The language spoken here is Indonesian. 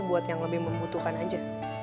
buat yang lebih membutuhkan aja